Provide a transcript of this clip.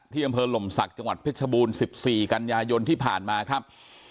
อำเภอหล่มศักดิ์จังหวัดเพชรบูรณ์๑๔กันยายนที่ผ่านมาครับ